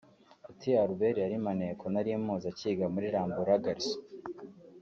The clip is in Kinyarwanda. Ati “Albert yari maneko nari muzi akiga muri Rambura Garҫons